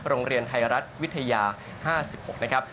โรงเรียนไทยรัฐวิทยา๕๖นะครับ